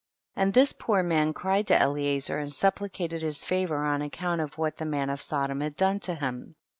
13. And this poor man cried to Eliezer and supplicated his favor on account of what the man of Sodom had done to him.